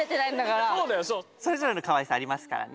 それぞれのかわいさありますからね。